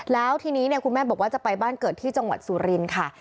แล้วทีนี้เนี่ยคุณแม่บอกว่าจะไปบ้านเกิดที่จังหวัดสุรินทร์ค่ะ